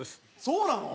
そうなの？